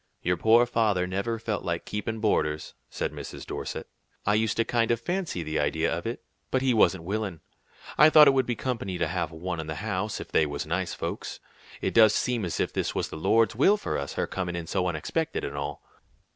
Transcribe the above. "Your poor father never felt like keepin' boarders," said Mrs. Dorset. "I used to kind of fancy the idea of it, but he wasn't willin'. I thought it would be company to have one in the house, if they was nice folks. It does seem as if this was the Lord's will for us; her coming in so unexpected, and all."